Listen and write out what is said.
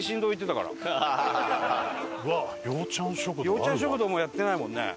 養ちゃん食堂もうやってないもんね。